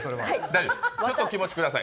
ちょっと気持ちください。